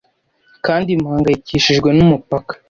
kandi mpangayikishijwe numupaka